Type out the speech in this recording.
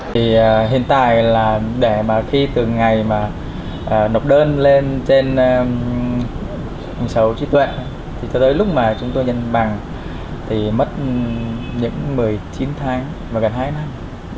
thì hiện tại là để mà khi từ ngày mà nộp đơn lên trên hình số trí tuệ thì tới lúc mà chúng tôi nhân bằng thì mất những một mươi chín tháng và gần hai năm